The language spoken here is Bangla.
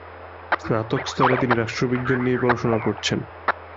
স্নাতক স্তরে তিনি রাষ্ট্রবিজ্ঞান নিয়ে পড়াশোনা করেছেন।